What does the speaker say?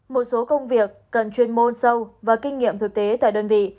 một số công việc cần chuyên môn sâu và kinh nghiệm thực tế tại đơn vị